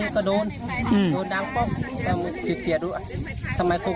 หาลูกปูพอเจอลูกปูก็ขุดไป๒๓ทีก็โดน